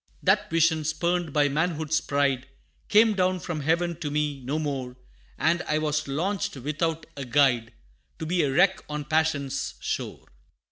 That vision, spurned by manhood's pride, Came down from heaven to me no more, And I was launched without a guide, To be a wreck on passion's shore.